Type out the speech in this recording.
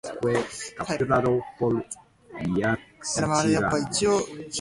This double bond is stronger than a single covalent bond and also shorter.